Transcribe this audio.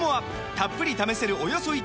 たっぷり試せるおよそ１カ月！